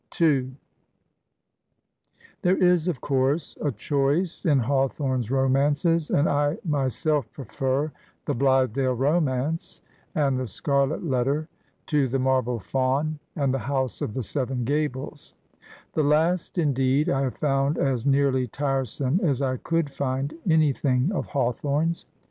There is^ of cotirse, a choice in Hawthorne's romances, and I myself prefer "The BUthedale Romance" and "The Scarlet Letter" to "The Marble Faun" and "The House of the Seven Gables/' The last, indeed, I have found as nearly tiresome as I could find any thing of Hawthorne's.